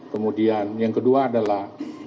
kemudian yang kedua adalah